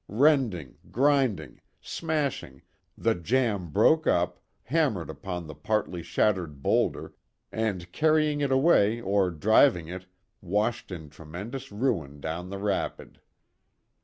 Rending, grinding, smashing, the jamb broke up, hammered upon the partly shattered boulder, and carrying it away or driving over it washed in tremendous ruin down the rapid.